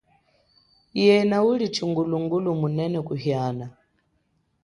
Yena uli tshikulungulu munene kuhiana.